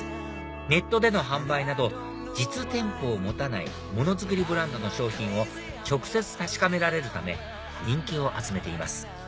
ネットでの販売など実店舗を持たないもの作りブランドの商品を直接確かめられるため人気を集めています